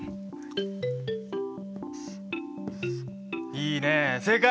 いいねえ正解！